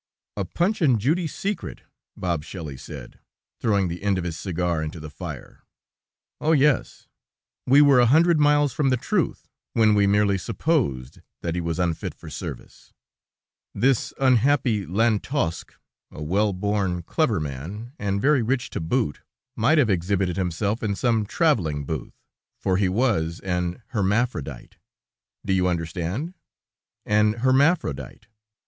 "A Punch and Judy secret," Bob Shelley said, throwing the end of his cigar into the fire. "Oh! yes; we were a hundred miles from the truth when we merely supposed that he was unfit for service. This unhappy Lantosque, a well born, clever man, and very rich to boot, might have exhibited himself in some traveling booth, for he was an hermaphrodite; do you understand? an hermaphrodite.